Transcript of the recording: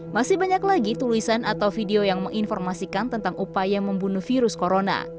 masih banyak lagi tulisan atau video yang menginformasikan tentang upaya membunuh virus corona